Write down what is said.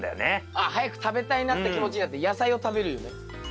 ああ早く食べたいなって気持ちになって野菜を食べる夢？